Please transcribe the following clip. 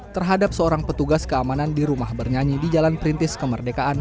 terhadap seorang petugas keamanan di rumah bernyanyi di jalan perintis kemerdekaan